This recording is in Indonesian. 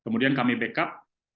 kemudian kami backup